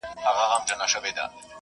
په زړه کي يې دا خبري ځای و نیوی